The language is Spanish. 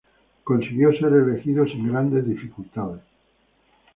Consiguió ser elegido sin grandes dificultades.